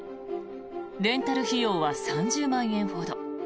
レンタル費用は３０万円ほど。